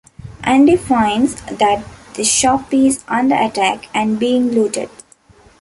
Andy finds that the shop is under attack and being looted.